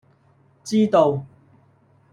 知道